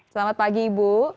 selamat pagi ibu